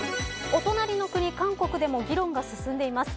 お隣の国、韓国でも議論が進んでいます。